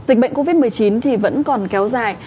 dịch bệnh covid một mươi chín thì vẫn còn kéo dài